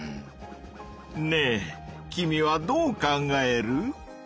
ねえ君はどう考える？